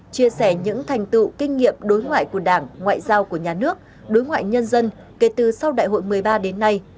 chia sẻ những thành tựu kinh nghiệm đối ngoại của đảng ngoại giao của nhà nước đối ngoại nhân dân kể từ sau đại hội một mươi ba đến nay